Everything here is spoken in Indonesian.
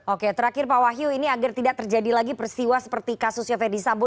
oke terakhir pak wahyu ini agar tidak terjadi lagi persiwa seperti kasus yafedi sambo